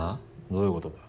どういうことだ。